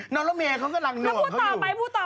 น้องแล้วเมียเขากำลังหน่วงเขาอยู่